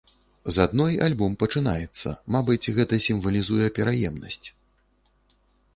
З адной альбом пачынаецца, мабыць, гэта сімвалізуе пераемнасць.